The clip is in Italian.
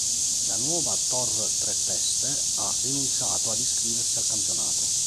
La Nuova Tor Tre Teste ha rinunciato ad iscriversi al campionato.